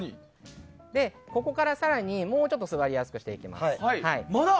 ここから更にもうちょっと座りやすくしていきます。